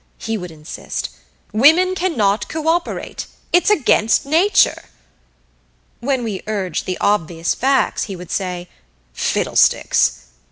he would insist. "Women cannot cooperate it's against nature." When we urged the obvious facts he would say: "Fiddlesticks!"